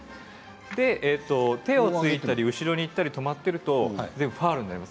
手をついたり後ろいったり止まっているとファールになります。